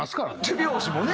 手拍子もね